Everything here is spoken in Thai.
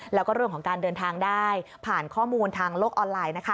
แล้วก็เรื่องของการเดินทางได้ผ่านข้อมูลทางโลกออนไลน์